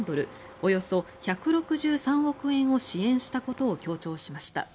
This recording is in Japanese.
およそ１６３億円を支援したことを強調しました。